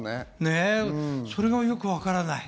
それがよくわからない。